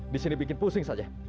disini bikin pusing saja